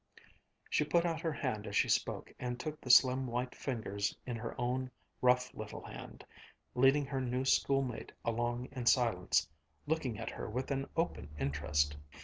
She put out her hand as she spoke and took the slim white fingers in her own rough little hand, leading her new schoolmate along in silence, looking at her with an open interest.